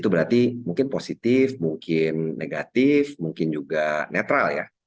berarti mungkin positif mungkin negatif mungkin juga netral ya